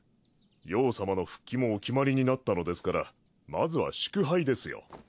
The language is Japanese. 葉様の復帰もお決まりになったのですからまずは祝杯ですよ。